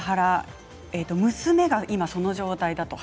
娘が今、その状態だと。